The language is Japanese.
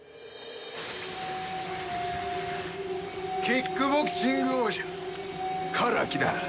キックボクシング王者唐木だな。